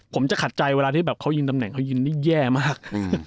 ผมจะขัดใจเวลาที่เขายืนตำแหน่งเขายืนได้แย่มาก